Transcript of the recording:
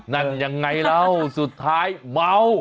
นั่นยังไงแล้วสุดท้ายเมา